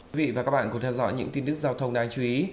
quý vị và các bạn cùng theo dõi những tin tức giao thông đáng chú ý